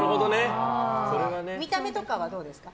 見た目とかはどうですか？